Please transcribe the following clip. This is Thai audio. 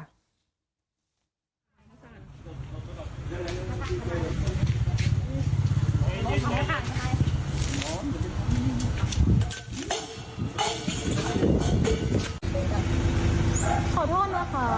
ขอโทษด้วยค่ะ